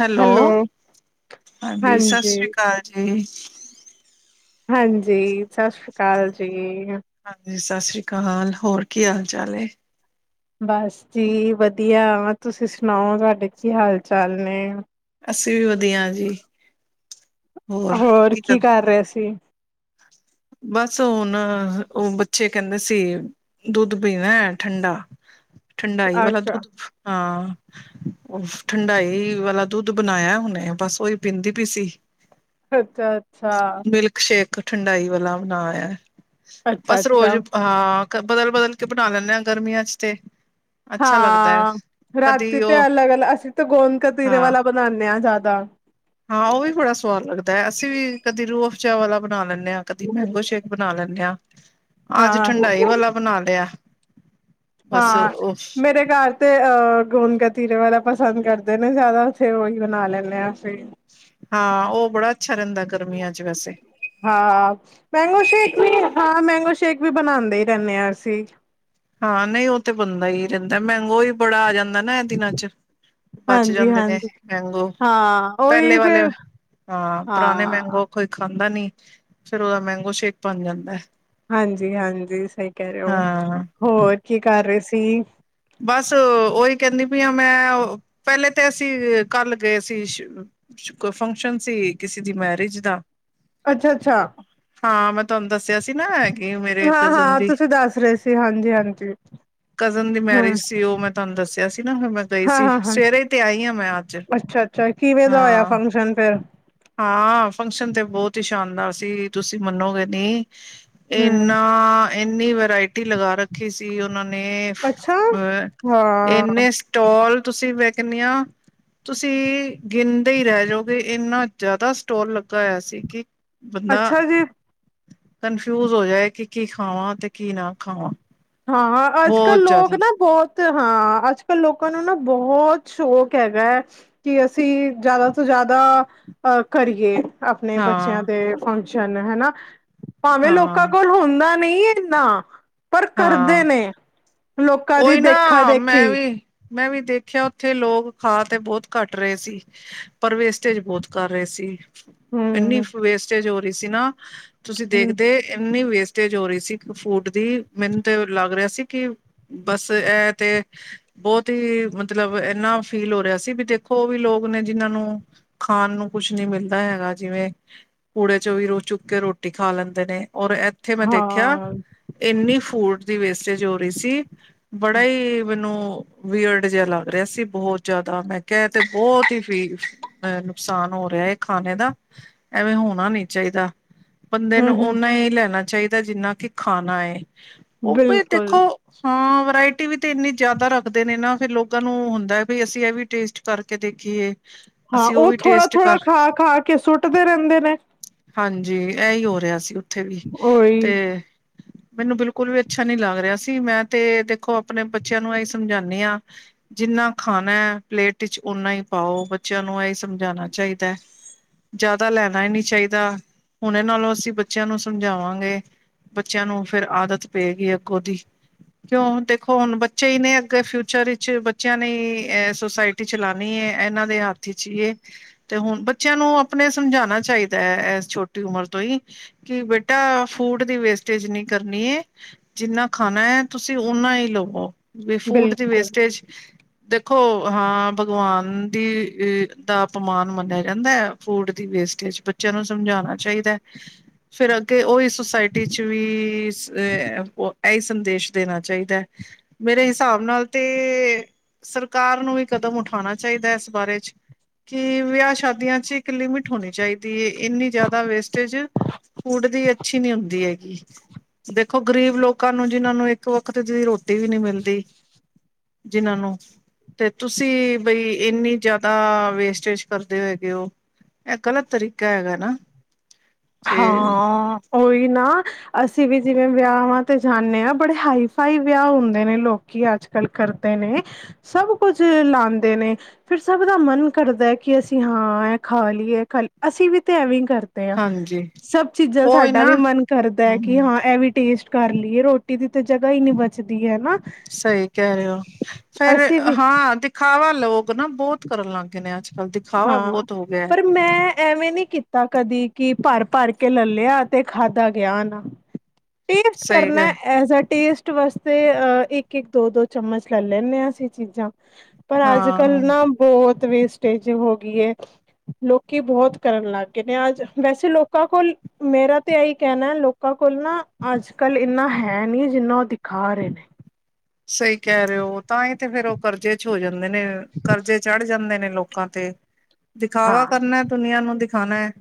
Hello, ਹਾਂਜੀ ਸਤਿ ਸ੍ਰੀ ਅਕਾਲ ਜੀ। ਹਾਂਜੀ ਸਤਿ ਸ੍ਰੀ ਅਕਾਲ ਜੀ। ਹਾਂਜੀ ਸਤਿ ਸ੍ਰੀ ਅਕਾਲ, ਹੋਰ ਕੀ ਹਾਲ- ਚਾਲ ਹੈ? ਬਸ ਜੀ ਵਧੀਆ, ਤੁਸੀਂ ਸੁਣਾਓ ਤੁਹਾਡੇ ਕੀ ਹਾਲ ਚਾਲ ਨੇ? ਅਸੀ ਵੀ ਵਧੀਆ ਜੀ, ਹੋਰ ਕੀ ਕਰ ਕਰ ਰਹੇ ਸੀ। ਬਸ ਹੁਣ ਉਹ ਬੱਚੇ ਕਹਿੰਦੇ ਸੀ। ਦੁੱਧ ਪੀਣਾ ਹੈ ਠੰਡਾ, ਠੰਡਾਈ ਵਾਲਾ ਅੱਛਾ, ਦੁੱਧ, ਹਾਂ। ਉਹ ਠੰਡਾਈ ਵਾਲਾ ਦੁੱਧ ਬਣਾਇਆ ਹੁਣੇ ਬਸ ਉਹੀ ਪੀਂਦੀ ਪਈ ਸੀ ਅੱਛਾ, ਅੱਛਾ। ਮਿਲਕ ਸ਼ੇਕ ਠੰਡਾਈ ਵਾਲਾ ਬਣਾਆ। ਅੱਛਾ, ਬਸ ਅੱਛਾ ਰੋਜ਼ ਹਾਂ। ਬਦਲ- ਬਦਲ ਕੇ ਬਣਾ ਲੈਂਦੇ ਹਾਂ ਗਰਮੀਆਂ ਚ' ਤੇ ਅੱਛਾ ਲੱਗਦਾ ਹੈ ਹਾਂ। ਰਾਤੀ ਕਦੀ ਤੇ ਉਹ ਅਲੱਗ ਅਲ ਅਸੀਂ ਤਾਂ ਗੋਦ ਕਤੀਰੇ ਹਾਂ ਵਾਲਾ ਬਣਾਉਦੇ ਹਾਂ ਜ਼ਿਆਦਾ। ਹਾਂ। ਉਹ ਵੀ ਬੜਾ ਸਵਾਦ ਲੱਗਦਾ ਹੈ ਅਸੀਂ ਵੀ ਕਦੇ ਰੋਹਫਚਾ ਵਾਲਾ ਬਣਾ ਲੈਂਦੇ ਹਾਂ। ਕਦੀ ਮੈਂਗੋ ਸ਼ੇਕ ਬਣਾ ਲੈਂਦੇ ਹਾਂ। ਅੱਜ ਹਾਂ, ਠੰਢਾਈ ਵਾਲਾ ਬਣਾ ਲਿਆ। ਬਸ ਹਾਂ। ਉਹ ਮੇਰੇ ਘਰ ਤੇ ਅਹ ਗੁੰਦ ਗਤੀਰੇ ਵਾਲਾ ਪਸੰਦ ਕਰਦੇ ਨੇ। ਜ਼ਿਆਦਾ ਉੱਥੇ ਉਹੀ ਬਣਾ ਲੈਂਦੇ ਹਾਂ ਅਸੀਂ। ਹਾਂ। ਉਹ ਬੜਾ ਅੱਛਾ ਰਹਿੰਦਾ ਗਰਮੀਆਂ ਚ' ਵੈਸੇ। ਹਾਂ। ਮੈਂਗੋ ਸ਼ੇਕ ਵੀ ਹਾਂ, ਮੈਂਗੋ ਸ਼ੇਕ ਵੀ ਬਣਾਉਂਦੇ ਹੀ ਰਹਿੰਦੇ ਹਾਂ ਅਸੀਂ। ਹਾਂ। ਨਹੀਂ ਉਹ ਤੇ ਬੰਦਾ ਹੀ ਰਹਿੰਦਾ, ਮਹਿੰਗੋ ਹੀ ਬੜਾ ਆ ਜਾਂਦਾ ਨਾ ਇਹ ਦਿਨਾਂ ਚ' ਬਚ ਹਾਂਜੀ ਜਾਂਦੇ ਨੇ ਹਾਂਜੀ ਮੈਂਗੋ। ਹਾਂ ਉਹੀ ਪਹਿਲੇ ਵਾਲੇ ਫਿਰ ਹਾਂ ਪੁਰਾਣੇ ਹਾਂ ਮੈਂਗੋ। ਕੋਈ ਖਾਂਦਾ ਨਹੀਂ, ਫੇਰ ਉਹਦਾ ਮੈਂਗੋ ਸ਼ੇਕ ਬਣ ਜਾਂਦਾ। ਹਾਂਜੀ-ਹਾਂਜੀ, ਸਹੀ ਕਹਿ ਰਹੇ ਹੋ ਹਾਂ ਹੋਰ ਕੀ ਕਰ ਰਹੇ ਸੀ? ਬਸ ਉਹੀ ਕਹਿੰਦੀ ਪੀ ਆ। ਮੈਂ ਪਹਿਲੇ ਤੇ ਅਸੀਂ ਕੱਲ ਗਏ ਸੀ। ਫੰਕਸ਼ਨ ਸੀ ਕਿਸੇ ਦੀ ਮੈਰਿਜ ਦਾ। ਅੱਛਾ- ਅੱਛਾ। ਹਾਂ। ਮੈਂ ਤੁਹਾਨੂੰ ਦੱਸਿਆ ਸੀ ਨਾ। ਮੇਰੇ ਹਾਂ ਕਜ਼ਨ ਹਾਂ ਦੀ, ਤੁਸੀਂ ਦੱਸ ਰਹੇ ਸੀ ਹਾਂਜੀ ਹਾਂਜੀ ਕਜ਼ਨ ਦੀ ਮੈਂ, ਹਮ ਸੀ। ਉਹ ਮੈਂ ਤੁਹਾਨੂੰ ਦੱਸਿਆ ਸੀ ਨਾ ਫਿਰ ਮੈਂ ਗਈ ਹਾਂ ਸੀ। ਸਵੇਰੇ ਤੇ ਆਈ ਆਂ ਮੈਂ ਅੱਜ। ਆ ਕਿਵੇਂ ਦਾ ਹੋਇਆ ਹਾਂ ਫੰਕਸ਼ਨ ਫਿਰ? ਹਾਂ। ਫੰਕਸ਼ਨ ਤੇ ਬਹੁਤ ਹੀ ਸ਼ਾਨਦਾਰ ਸੀ। ਤੁਸੀਂ ਮੰਨੋਗੇ ਨੀ, ਹਮ ਇਨਾ, ਇੰਨੀ ਵਰਾਇਟੀ ਲਗਾ ਰੱਖੀ। ਰਖੀ ਸੀ ਉਹਨਾਂ ਨੇ। ਅੱਛਾ ਅਹ ਹਾਂ ਇੰਨੇ, ਸਟੋਲ ਤੁਸੀਂ ਮੈਂ ਕਹਿੰਦੀ ਹਾਂ। ਤੁਸੀਂ ਗਣਦੇ ਹੀ ਰਹਿ ਜਾਓਗੇ, ਇਨਾ ਜ਼ਿਆਦਾ ਸਟੋਰ ਲੱਗਾ ਹੋਇਆ ਸੀ ਕਿ, ਬੰਦਾ ਅੱਛਾ ਜੀ ਕੰਨਫਿਊਜ ਹੋ ਜਾਏ ਕਿ, ਕੀ ਖਾਵਾਂ ਤੇ ਕੀ ਨਾ ਖਾਵਾਂ। ਹਾਂ, ਅੱਜ ਕੱਲ੍ਹ ਬਹੁਤ ਲੋਕ ਜ਼ਿਆਦਾ ਨਾ ਬਹੁਤ ਤੇ ਹਾਂ। ਅੱਜ-ਕੱਲ੍ਹ ਲੋਕਾਂ ਨੂੰ ਨਾ ਬਹੁਤ ਸ਼ੌਕ ਹੈਗਾ ਹੈ। ਕਿ ਅਸੀਂ ਜ਼ਿਆਦਾ ਤੋਂ ਜ਼ਿਆਦਾ ਅ, ਕਰੀਏ। ਆਪਣੇ ਬੱਚਿਆਂ ਹਾਂ ਦੇ ਫੰਕਸ਼ਨ। ਹਨਾ। ਭਾਵੇਂ ਲੋਕਾਂ ਹਾਂ ਕੋਲ ਹੁੰਦਾ ਨਹੀਂ ਇੰਨਾ। ਪਰ ਕਰਦੇ ਹਾਂ। ਨੇ ਲੋਕਾਂ ਦੀ ਉਹੀ ਦੇਖਾ ਨਾ ਦੇਖੀ ਮੈਂ ਵੀ, ਮੈਂ ਵੀ ਦੇਖਿਆ ਉੱਥੇ ਲੋਕ ਖਾ ਤੇ ਬਹੁਤ ਘੱਟ ਰਹੇ ਸੀ। ਪਰ ਵੇਸਟੇਜ ਬਹੁਤ ਕਰ ਰਹੇ ਸੀ। ਹਮ ਇੰਨੀ ਵੇਸਟੇਜ ਹੋ ਰਹੀ ਸੀ ਨਾ, ਤੁਸੀਂ ਹਮ ਦੇਖਦੇ ਇੰਨੀ ਵੇਸਟੇਜ ਹੋ ਰਹੀ ਸੀ। ਇੱਕ ਫੂਡ ਦੀ ਮੈਨੂੰ ਤੇ ਲੱਗ ਰਿਹਾ ਸੀ। ਕਿ ਬਸ ਇਹ ਤੇ ਬਹੁਤ ਹੀ ਮਤਲਬ ਇਨਾ ਫੀਲ ਹੋ ਰਿਹਾ ਸੀ ਵੀ ਦੇਖੋ, ਉਹ ਵੀ ਲੋਕ ਨੇ ਜਿਹਨਾਂ ਨੂੰ ਖਾਣ ਨੂੰ ਕੁਛ ਨੀ ਮਿਲਦਾ ਹੈਗਾ। ਜਿਵੇਂ ਕੂੜੇ ਚ' ਵੀ ਰੋਜ਼ ਚੁੱਕ ਕੇ ਰੋਟੀ ਖਾ ਲੈਂਦੇ ਨੇ। ਔਰ ਉੱਥੇ ਮੈਂ ਦੇਖਿਆ, ਹਾਂ ਇੰਨੀ ਫੂਡ ਦੀ ਵੇਸਟੇਜ ਹੋ ਰਹੀ ਸੀ। ਬੜਾ ਮੈਨੂੰ, ਬਅਰਡ ਜਿਹਾ ਲੱਗ ਰਿਹਾ ਸੀ ਬਹੁਤ ਜਿਆਦਾ। ਮੈਂ ਕਿਹਾਹਿ ਤੇ ਬਹੁਤ ਹੀ ਫੀ ਅਹ ਨੁਕਸਾਨ ਹੋ ਰਿਹਾ ਹੈ ਖਾਣੇ ਦਾ। ਐਵੇਂ ਹੋਣਾ ਨੀ ਚਾਹੀਦਾ। ਬੰਦੇ ਹਮ ਨੂੰ ਹਮ ਓਨਾ ਹੀ ਲੈਣਾ ਚਾਹੀਦਾ ਜਿੰਨਾ ਕਿ ਖਾਣਾ। ਉਹ ਵੀ ਬਿਲਕੁਲ ਦੇਖੋ, ਹਾਂ। ਵਰਾਇਟੀ ਵੀ ਤੇ ਇੰਨੀ ਜ਼ਿਆਦਾ ਰੱਖਦੇ ਨੇ ਨਾ। ਫਿਰ ਲੋਕ ਉਹਾਂ ਨੂੰ ਹੁੰਦਾ ਹੈ ਵੀ ਅਸੀਂ ਇਹ ਵੀ ਟੇਸਟ ਕਰਕੇ ਦੇਖੀਏ। ਹਾਂ। ਅਸੀਂ ਉਹ ਵੀ ਥੋੜ੍ਹਾ ਟੇਸਟ -ਥੋੜ੍ਹਾ ਕਰ ਖਾ ਖਾ ਕੇ ਸੁੱਟਦੇ ਰਹਿੰਦੇ ਨੇ। ਹਾਂਜੀ। ਇਹੀ ਹੋ ਰਿਹਾ ਸੀ ਉੱਥੇ ਵੀ ਤੇ। ਉਹੀ ਮੈਨੂੰ ਬਿਲਕੁਲ ਵੀ ਅੱਛਾ ਨੀ ਲੱਗ ਰਿਹਾ ਸੀ। ਮੈਂ ਤੇ ਦੇਖੋ ਆਪਣੇ ਬੱਚਿਆਂ ਨੂੰ ਆਂ ਸਮਝਾਦੀ ਹਾਂ। ਜਿੰਨਾ ਖਾਣਾ ਹੈ ਪਲੇਟ ਵਿੱਚ ਓਨਾ ਹੀ ਪਾਓ, ਬੱਚਿਆਂ ਨੂੰ ਇਹ ਸਮਝਾਉਣਾ ਚਾਹੀਦਾ ਹੈ। ਜ਼ਿਆਦਾ ਲੈਣਾ ਹੀ ਨਹੀਂ ਚਾਹੀਦਾ, ਹੁਣ ਨਾਲੋਂ ਅਸੀਂ ਬੱਚਿਆਂ ਨੂੰ ਸਮਝਾਵਾਂਗੇ। ਬੱਚਿਆਂ ਨੂੰ ਫਿਰ ਆਦਤ ਪਏਗੀ ਅੱਗੋਂ ਦੀ, ਕਿਉਂ ਦੇਖੋ ਹੁਣ ਬੱਚੇ ਹੀ ਨੇ ਅੱਗੇ ਫਿਊਚਰ ਵਿੱਚ ਬੱਚਿਆਂ ਨੇ ਅ ਸੁਸਾਇਟੀ, ਸੁਸਾਇਟੀ ਚਲਉਣੀ ਏ, ਇਹਨਾਂ ਦੇ ਹੱਥ ਵਿਚ ਹੀ। ਤੇ ਹੁਣ ਬੱਚਿਆਂ ਨੂੰ ਆਪਣੇ ਸਮਝਾਉਣਾ ਚਾਹੀਦਾ ਹੈ, ਇਸ ਛੋਟੀ ਉਮਰ ਤੋਂ ਹੀ, ਕਿ ਬੇਟਾ, ਫੂਡ ਦੀ ਵੇਸਟੇਜ ਨਹੀਂ, ਕਰਨੀ ਹੈ ਜਿੰਨਾ ਖਾਣਾ ਹੈ, ਤੁਸੀਂ ਓਨਾ ਹੀ ਲਵੋ। ਵੀ ਫੂਡ ਦੀ ਬਿਲਕੁਲ ਵੇਸਟੇਜ, ਦੇਖੋ, ਹਾਂ ਭਗਵਾਨ ਦੀ ਅ ਦਾ ਅਪਮਾਨ ਮੰਨਿਆ ਜਾਂਦਾ ਹੈ ਫੂਡ ਦੀ ਵੇਸਟੇਜ ਬੱਚਿਆਂ ਨੂੰ ਸਮਝਾਉਣਾ ਚਾਹੀਦਾ, ਫਿਰ ਅੱਗੇ ਉਹ ਇਸ ਸੋਸਾਇਟੀ 'ਚ ਵੀ ਇਹੀ ਸੰਦੇਸ਼ ਦੇਣਾ ਚਾਹੀਦਾ ਹੈ, ਮੇਰੇ ਹਿਸਾਬ ਨਾਲ ਤੇ ਸਰਕਾਰ ਨੂੰ ਵੀ ਕਦਮ ਉਠਾਣਾ ਚਾਹੀਦੈ ਐਸ ਬਾਰੇ ਚ, ਕਿ ਵਿਆਹ ਸ਼ਾਦੀਆਂ ਚ ਇੱਕ ਲਿਮਿਟ ਹੋਣੀ ਚਾਹੀਦੀ ਹੈ ਇੰਨੀ ਜ਼ਿਆਦਾ ਵੇਸਟੇਜ, ਫੂਡ ਦੀ ਅੱਛੀ ਨੀ ਹੁੰਦੀ ਹੈਗੀ ਦੇਖੋ ਗ਼ਰੀਬ ਲੋਕਾਂ ਨੂੰ ਜਿਹਨਾਂ ਨੂੰ ਇੱਕ ਵਕਤ ਦੀ ਰੋਟੀ ਵੀ ਨੀ ਮਿਲਦੀ ਜਿਹਨਾਂ ਨੂੰ ਤੇ ਤੁਸੀਂ ਬਈ ਇੰਨੀ ਜ਼ਿਆਦਾ ਵੇਸਟੇਜ ਕਰਦੇ ਹੈਗੇ ਹੋ ਇਹ ਗਲਤ ਤਰੀਕਾ ਹੈਗਾ ਨਾ ਤੇ ਹਾਂ ਓਹੀ ਨਾ ਅਸੀਂ ਵੀ ਜਿਵੇਂ ਵਿਆਹਾਂ ਤੇ ਜਾਨੇ ਆ, ਬੜੇ ਹਾਈ ਫਾਈ ਵਿਆਹ ਹੁੰਦੇ ਨੇ ਲੋਕ ਕੀ ਅੱਜ -ਕੱਲ੍ਹ ਕਰਦੇ ਨੇ, ਸਭ ਕੁਝ ਲਾਉਦੇ ਨੇ ਫਿਰ ਸਭ ਦਾ ਮਨ ਕਰਦਾ ਕਿ ਅਸੀਂ ਹਾਂ ਇਹ ਖਾ ਲਈਏ ਖ ਅਸੀਂ ਵੀ ਤੇ ਐਵੇਂ ਹੀ ਕਰਦੇ ਹਾਂ ਹਾਂਜੀ ਸਭ ਚੀਜ਼ਾਂ ਉਹੀ ਸਾਡਾ ਵੀ ਨਾ ਮਨ ਕਰਦਾ ਹਮ ਹੈ ਕਿ ਹਮ ਹਾਂ ਇਹ ਵੀ ਟੇਸਟ ਕਰ ਲਈਏ, ਰੋਟੀ ਦੀ ਤਾਂ ਜਗ੍ਹਾ ਹੀ ਨੀ ਬਚਦੀ ਹੈਨਾ ਸਹੀ ਕਹਿ ਰਹੇ ਓ, ਫੇਰ ਅਸੀਂ ਵੀ ਹਾਂ ਦਿਖਾਵਾ ਲੋਕ ਨਾ ਬਹੁਤ ਕਰਨ ਲੱਗ ਗਏ ਨੇ ਅੱਜ ਦਿਖਾਵਾ ਹਾਂ ਬਹੁਤ ਹੋ ਗਿਆ ਪਰ ਮੈਂ ਐਵੇਂ ਨੀ ਕੀਤਾ ਕਦੀ ਕਿ ਭਰ- ਭਰ ਕੇ ਲੈ ਲਿਆ ਤੇ ਖਾਧਾ ਗਿਆ ਨਾ ਟੇਸਟ ਸਹੀ ਗ ਕਰਨਾ ਐਜ ਆ ਟੇਸਟ ਟੇਸਟ ਵਾਸਤੇ ਅਹ ਇੱਕ- ਇੱਕ, ਦੋ -ਦੋ ਚਮਚ ਲੈ ਲੈਂਦੇ ਹਾਂ ਅਸੀਂ ਚੀਜ਼ਾਂ ਪਰ ਅੱਜ- ਕਲ ਹਾਂ। ਨਾ ਬਹੁਤ ਵੇਸਟੇਜ ਹੋ ਗਈ ਲੋਕੀ ਬਹੁਤ ਕਰਨ ਲੱਗ ਗਏ ਨੇ ਅੱਜ, ਵੈਸੇ ਲੋਕਾਂ ਕੋਲ ਮੇਰਾ ਤਾਂ ਇਹੀ ਕਹਿਣਾ ਲੋਕਾਂ ਕੋਲ ਨਾ ਅੱਜ -ਕੱਲ ਇੰਨਾ ਹੈ ਨਹੀਂ, ਜਿੰਨਾ ਉਹ ਦਿਖਾ ਰਹੇ ਨੇ ਸਹੀ ਕਹਿ ਰਹੇ ਹੋ, ਤਾਂ ਹੀ ਤੇ ਫੇਰ ਉਹ ਕਰਜ਼ੇ'ਚ ਹੋ ਜਾਂਦੇ ਨੇ, ਕਰਜ਼ੇ ਚੜ ਜਾਂਦੇ ਨੇ ਲੋਕ ਲੋਕਾਂ ਤੇ ਦਿਖਾਵਾ ਕਰਨਾ ਦੁਨੀਆਂ ਨੂੰ ਦਿਖਾਣਾ ਹੈ,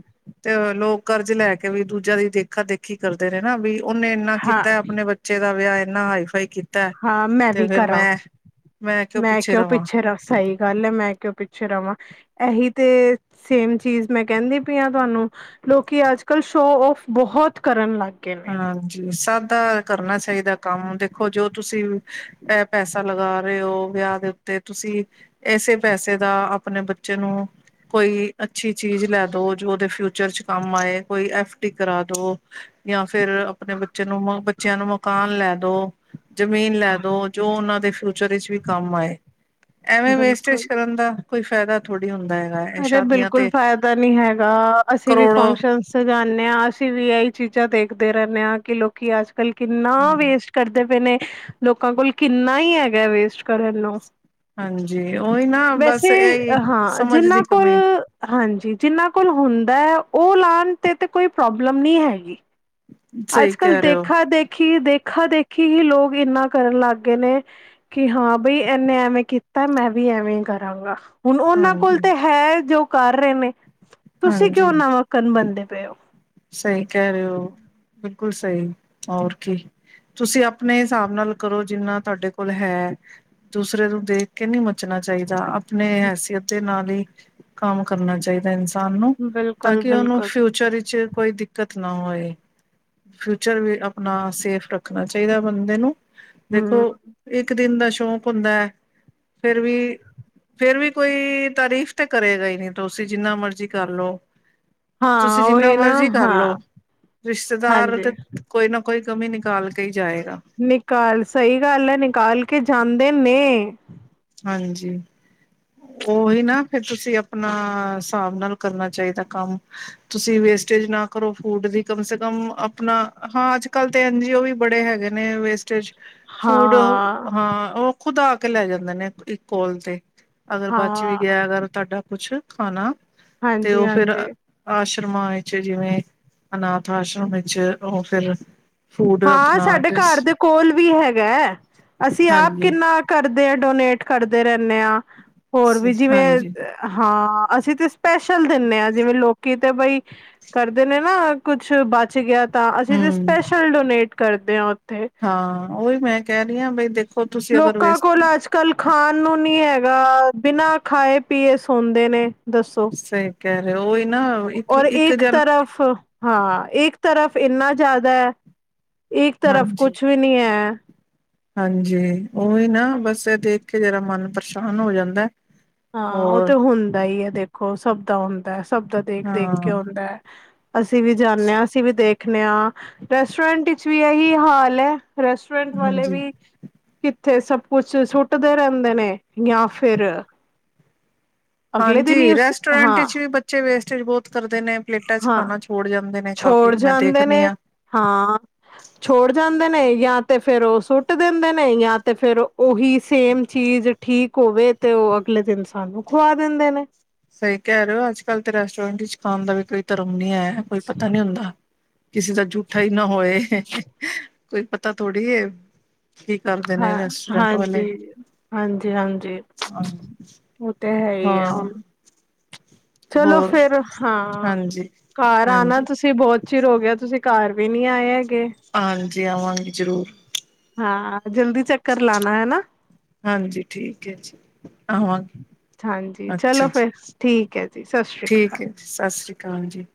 ਤੇ ਲੋਕ ਕਰਜ਼ ਲੈਕੇ ਵੀ ਦੂਜਿਆ ਦੀ ਦੇਖਾ-ਦੇਖੀ ਕਰਦੇ ਨੇ, ਨਾ ਵੀ ਉਹਨੇ ਇੰਨਾ ਕੀਤਾ, ਹਾਂ-ਹਾਂ-ਹਾਂ ਆਪਣੇ ਬੱਚੇ ਦਾ ਵਿਆਹ ਇਨਾ ਹਾਈਫਾਈ ਕੀਤਾ। ਹਾਂ, ਮੈਂ ਤੇ ਵੀ ਫੇਰ ਕਰਾਂ, ਮੈਂ ਮੈਂ ਕਿਉਂ, ਪਿੱਛੇ ਰ ਸ ਹੀ ਗੱਲ ਹੈ ਮੈਂ ਕਿਉ ਪਿੱਛੇ ਰਵਾਂ, ਇਹੀ ਤੇ ਸੇਮ ਚੀਜ਼ ਮੈਂ ਕਹਿੰਦੀ ਪਈ ਹਾਂ, ਤੁਹਾਨੂੰ। ਲੋਕੀ ਅੱਜ-ਕੱਲ ਸ਼ੋ-ਓਫ ਬਹੁਤ ਕਰਨ ਲੱਗ ਗਏ ਨੇ ਹਾਂਜੀ, ਸਭ ਦਾ ਕਰਨਾ ਚਾਹੀਦਾ ਕੰਮ, ਦੇਖੋ ਜੋ ਤੁਸੀਂ ਐ ਪੈਸਾ ਲਗਾ ਰਹੇ ਹੋ, ਵਿਆਹ ਦੇ ਉੱਤੇ ਤੁਸੀਂ ਐਸੇ ਪੈਸੇ ਦਾ ਆਪਣੇ ਬੱਚੇ ਨੂੰ, ਕੋਈ ਅੱਛੀ ਚੀਜ਼ ਲੈਦੋ, ਜੋ ਉਹਦੇ ਫਿਊਚਰ 'ਚ ਕੰਮ ਆਏ, ਕੋਈ ਐਫਡੀ ਕਰਾਦੋ ਜਾਂ ਫਿਰ ਆਪਣੇ ਬੱਚੇ ਨੂੰ ਬੱਚਿਆਂ ਨੂੰ ਮਕਾਨ ਲੈ ਦੋ ਜ਼ਮੀਨ ਲੈ ਦੋ ਜੋ ਉਹਨਾਂ ਦੇ ਫਿਊਚਰ ਵਿੱਚ ਵੀ ਕੰਮ ਆਏ, ਐਵੇਂ ਬਿਲਕੁਲ ਵੇਸਟੇਜ ਕਰ ਕਰਨ ਦਾ, ਕੋਈ ਫਾਇਦਾ ਥੋੜੀ ਹੁੰਦਾ ਹੈ ਅਰੇ ਬਿਲਕੁਲ ਫ਼ਾਇਦਾ ਨਹੀਂ ਹੈਗਾ, ਅਸੀਂ ਵੀ ਕਰੋੜੋ ਫੰਕਸ਼ਨ ਸਜਾਉਂਦੇ ਹਾਂ ਅਸੀਂ ਵੀ ਇਹੀ ਚੀਜ਼ਾਂ ਦੇਖਦੇ ਰਹਿੰਦੇ ਹਾਂ ਕਿ ਲੋਕ ਕਿ ਅੱਜ -ਕੱਲ ਕਿੰਨਾ ਵੇਸਟ ਕਰਦੇ ਪਏ ਨੇ ਲੋਕਾਂ ਕੋਲ ਕਿੰਨਾ ਹੀ ਹੈਗਾ ਵੇਸਟ ਕਰਨ ਨੂੰ ਹਾਂਜੀ ਉਹੀ ਨਾ ਬਸ ਵੈਸੇ ਇਹੀ ਹਾਂ ਸਮਝ ਜਿੰਨਾਂ ਦੀ ਕੋਲ ਕਮੀ ਹਾਂਜੀ। ਜਿੰਨਾਂ ਕੋਲ ਹੁੰਦਾ ਹੈ ਉਹ ਲਾਉਣ ਤੇ ਤੇ ਕੋਈ ਪ੍ਰੋਬਲਮ ਨਹੀਂ ਹੈਗੀ। ਸਹੀ ਅੱਜ-ਕਲ ਕਹਿ ਰਹੇ ਹੋ ਦੇਖਾ ਦੇਖੀ ਦੇਖਾ ਦੇਖੀ ਹੀ ਲੋਕ ਏਨਾ ਕਰਨ ਲਾਗੇ ਨੇ। ਕਿ ਹਾਂ ਬਈ ਇਹਨੇ ਐਵੇਂ ਕੀਤਾ ਮੈਂ ਵੀ ਐਵੇਂ ਕਰਾਂਗਾ। ਹੁਣ ਉਹਨਾਂ ਕੋਲ ਹਾਂਜੀ ਤਾਂ ਹੈ ਜੋ ਕਰ ਰਹੇ ਨੇ। ਤੁਸੀਂ ਕਿਉਂ ਹਾਂਜੀ ਨਵਕਨ ਬਣਦੇ ਪਏ ਹੋ। ਸਹੀ ਕਹਿ ਰਹੇ ਹੋ। ਬਿਲਕੁਲ ਸਹੀ ਹੋਰ ਕੀ। ਤੁਸੀਂ ਆਪਣੇ ਹਿਸਾਬ ਨਾਲ ਕਰੋ, ਜਿੰਨਾ ਤੁਹਾਡੇ ਕੋਲ ਹੈ। ਦੂਸਰੇ ਨੂੰ ਦੇਖਕੇ ਨਹੀਂ ਮੱਚਣਾ ਚਾਹੀਦਾ। ਆਪਣੇ ਹੈਸੀਅਤ ਦੇ ਨਾਲ ਹੀ ਕੰਮ ਕਰਨਾ ਚਾਹੀਦਾ। ਇਨ ਤਾਨੂੰ। ਤਾਂ ਬਿਲਕੁਲ ਕਿ ਉਹਨੂੰ ਬਿਲਕੁਲ। ਫਿਊਚਰ ਵਿੱਚ ਕੋਈ ਦਿੱਕਤ ਨਾ ਹੋਏ। ਫਿਊਚਰ ਵੀ ਆਪਣਾ ਸੇਫ ਰੱਖਣਾ ਚਾਹੀਦਾ ਬੰਦੇ ਨੂੰ। ਦੇਖੋ, ਹੂੰ ਇੱਕ ਦਿਨ ਦਾ ਸ਼ੌਕ ਹੁੰਦਾ ਹੈ। ਫਿਰ ਵੀ ਫਿਰ ਵੀ ਕੋਈ ਤਾਰੀਫ਼ ਤੇ ਕਰੇਗਾ ਹੀ ਨਹੀਂ, ਤੁਸੀਂ ਜਿੰਨਾ ਮਰਜ਼ੀ ਕਰਲੋ। ਹਾਂ ਤੁਸੀਂ ਜਿੰਨਾ ਉਹੀ ਨਾ ਮਰਜ਼ੀ ਹਾਂ ਕਰਲੋ। ਰਿਸ਼ਤੇਦਾਰ ਹਾਂਜੀ। ਤੇ ਕੋਈ ਨਾ ਕੋਈ ਕਮੀ ਨਿਕਾਲਕੇ ਹੀ ਜਾਏਗਾ। ਨਿਕਾਲ ਸਹੀ ਗੱਲ ਐ, ਨਿਕਾਲ ਕੇ ਜਾਂਦੇ ਨੇ। ਹਾਂਜੀ। ਉਹੀ ਨਾ ਫਿਰ ਤੁਸੀਂ, ਆਪਣਾ ਹਿਸਾਬ ਨਾਲ ਕਰਨਾ ਚਾਹੀਦਾ ਕੰਮ। ਤੁਸੀਂ ਵੇਸਟੇਜ ਨਾ ਕਰੋ ਫੂਡ ਦੀ, ਕਮ ਸੇ ਕਮ ਆਪਣਾ ਹਾਂ, ਅੱਜ-ਕੱਲ ਤੇ ਐੰਜੀ ਓ ਵੀ ਬੜੇ ਹੈਗੇ ਨੇ ਵੇਸਟੇਜ। ਫੂਡ ਹਾਂ। ਹਾਂ, ਉਹ ਖੁਦ ਆਕੇ ਲੈ ਜਾਂਦੇ ਨੇ ਇੱਕ ਕੌਲ ਤੇ। ਅਗਰ ਬੱਚ ਵੀ ਹਾਂ ਗਿਆ ਅਗਰ ਤੁਹਾਡਾ ਕੁਛ ਖਾਣਾ। ਤੇ ਹਾਂਜੀ ਉਹ ਫਿਰ ਹਾਂਜੀ ਆਸ਼ਰਮਾਂ ਵਿੱਚ ਜਿਵੇਂ, ਅਨਾਥ ਆਸ਼ਰਮ ਵਿੱਚ, ਉਹ ਫਿਰ- ਫੂਡ ਹਾਂ, ਆਪਣਾ ਸਾਡੇ ਘਰ ਦੇ ਕੋਲ ਵੀ ਹੈਗਾ। ਅਸੀਂ ਆਪ ਹਾਂਜੀ ਕਿੰਨਾ ਕਰਦੇ ਹਾਂ ਡੋਨੇਟ। ਕਰਦੇ ਰਹਿੰਦੇ ਹਾਂ। ਹੋਰ ਵੀ ਜਿਵੇਂ ਹਾਂਜੀ ਹਾਂ, ਅਸੀਂ ਤੇ ਸਪੈਸ਼ਲ ਦਿੰਨੇ ਆਂ। ਜਿਵੇਂ ਲੋਕੀ ਤੇ ਬਈ ਕਰਦੇ ਨੇ ਨਾ ਕੁਛ ਬਚ ਗਿਆ ਤਾਂ, ਅਸੀਂ ਤੇ ਹਮ ਸਪੈਸ਼ਲ ਡੋਨੇਟ ਕਰਦੇ ਹਾਂ ਉੱਥੇ। ਹਾਂ। ਉਹੀ ਮੈਂ ਕਹਿ ਰਹੀ ਹਾਂ, ਬਈ ਦੇਖੋ, ਤੁਸੀਂ ਅਗਰ ਵੇਸ ਕਲ ਖਾਣ ਨੂੰ ਨੀ ਹੈਗਾ। ਬਿਨਾਂ ਖਾਏ-ਪੀਏ ਸੌਂਦੇ ਨੇ। ਦੱਸੋ। ਸਹੀ ਕਹਿ ਰਹੇ ਹੋ ਉਹੀ ਨਾ ਇੱਕ ਔਰ ਇੱਕ ਇਕ ਜਨ ਤਰਫ ਹਾਂ, ਇੱਕ ਤਰਫ ਇੰਨਾ ਜ਼ਿਆਦੈ, ਇੱਕ ਤਰਫ ਹਾਂਜੀ ਕੁਛ ਵੀ ਨੀ ਹੈ। ਹਾਂਜੀ। ਉਹੀ ਨਾ ਬਸ ਇਹ ਦੇਖਕੇ ਜਰਾ ਮਨ ਪਰੇਸ਼ਾਨ ਹੋ ਜਾਂਦਾ। ਹਾਂ, ਉਹ ਤੇ ਹੋਰ ਹੁੰਦਾ ਹੀ ਹੈ ਦੇਖੋ, ਸਭ ਦਾ ਹੁੰਦਾ, ਸਭ ਦਾ ਹਾਂ ਦੇਖ-ਦੇਖਕੇ ਹੋਂਦਾ। ਅਸੀਂ ਵੀ ਜਾਂਦੇ ਹਾਂ, ਅਸੀਂ ਵੀ ਦੇਖਦੇ ਹਾਂ, ਰੈਸਟੋਰੈਂਟ ਵਿਚ ਵੀ ਇਹੀ ਹਾਲ ਹੈ। ਰੈਸਟੋਰੈਂਟ ਵਾਲੇ ਹਾਂਜੀ ਵੀ ਕਿ ਏਥੇ ਸਭ ਕੁਛ ਸੁੱਟਦੇ ਰਹਿੰਦੇ ਨੇ। ਜਾਂ ਫਿਰ ਅਗਲੇ ਦਿਨ ਹੀ ਹਾਂਜੀ। ਉਸ ਰੈਸਟੋਰੈਂਟ ਹਾਂ, ਚ' ਵੀ ਬੱਚੇ ਵੇਸਟੇਜ ਬਹੁਤ ਕਰਦੇ ਨੇ। ਪਲੇਟਾਂ ਚ' ਹਾਂ, ਖਾਣਾ ਛੋੜ ਜਾਂਦੇ ਨੇ। ਨਹੀਂ, ਕਾਪੀ ਛੋੜ ਚ' ਮੈਂ ਜਾਂਦੇ ਦੇਖਦੀ ਨੇ, ਆਂ। ਹਾਂ। ਛੋੜ ਜਾਂਦੇ ਨੇ ਜਾਂ ਤਾਂ ਫਿਰ ਉਹ ਸੁੱਟ ਦਿੰਦੇ ਨੇ ਜਾਂ ਤਾਂ ਫਿਰ ਉਹੀ ਸੇਮ ਚੀਜ਼ ਠੀਕ ਹੋਵੇ ਤੇ ਉਹ ਅਗਲੇ ਦਿਨ ਸਾਨੂੰ ਖੁਵਾ ਦਿੰਦੇ ਨੇ। ਸਹੀ ਕਹਿ ਰਹੇ ਹੋ ਅੱਜ ਕੱਲ੍ਹ ਤੇ ਰੈਸਟੋਰੈਂਟ ਵਿੱਚ ਖਾਣ ਦਾ ਵੀ ਕੋਈ ਧਰਮ ਨੀ ਹੈ ਕੋਈ ਪਤਾ ਨੀ ਹੁੰਦਾ। ਕਿਸੇ ਦਾ ਝੂਠਾ ਹੀ ਨਾ ਹੋਏ। ਕੋਈ ਪਤਾ ਥੋੜ੍ਹੀ ਕੀ ਕਰ। ਹਾਂ, ਹਾਂਜੀ। ਹਾਂਜੀ। ਹਾਂਜੀ। ਹਾਂ ਉਹ ਤੇ, ਹੈ ਹੀ ਚਲੋ ਹੋਰ ਫੇਰ ਹਾਂ, ਹਾਂਜੀ ਘਰ ਆਣਾ ਹਾਂਜੀ ਤੁਸੀਂ। ਤੇ ਬਹੁਤ ਚਿਰ ਹੋ ਗਿਆ, ਤੁਸੀਂ ਘਰ ਵੀ ਨਹੀਂ ਆਏ ਹੈਗੇ। ਹਾਂਜੀ। ਆਵਾਂਗੀ ਜ਼ਰੂਰ। ਹਾਂ, ਜਲਦੀ ਚੱਕਰ ਲਾਨਾ ਹੈਨਾ। ਹਾਂਜੀ। ਠੀਕ ਹੈ ਜੀ, ਆਵਾਂਗੇ। ਹਾਂਜੀ। ਅੱਛਾ ਚਲੋ ਜੀ ਫਿਰ ਠੀਕ ਹੈ ਜੀ। ਸਤਿ ਸ਼੍ਰੀ ਠੀਕ ਹੈ ਜੀ, ਸਤਿ ਸ਼੍ਰੀ ਅਕਾਲ ਜੀ।